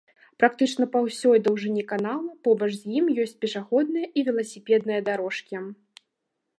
Практычна па ўсёй даўжыні канала побач з ім ёсць пешаходныя і веласіпедныя дарожкі.